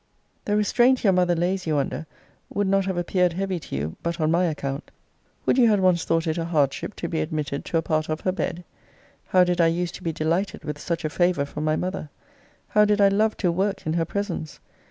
The restraint your mother lays you under would not have appeared heavy to you but on my account. Would you had once thought it a hardship to be admitted to a part of her bed? How did I use to be delighted with such a favour from my mother! how did I love to work in her presence!